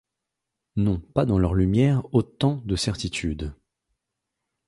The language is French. N’ont pas dans leur lumière autant de certitude